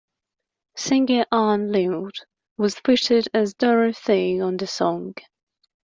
Singer Anne Lloyd was featured as Dorothy on the song.